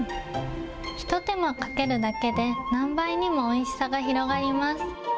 一手間かけるだけで、何倍にもおいしさが広がります。